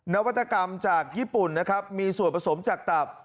น้ำรักนักดื่มนวัตกรรมจากญี่ปุ่นนะครับมีส่วนผสมจากตาบ